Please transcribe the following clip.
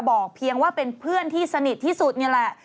เพียงว่าเป็นเพื่อนที่สนิทที่สุดนี่แหละ